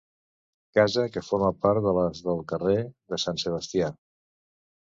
Casa que forma part de les del carrer de Sant Sebastià.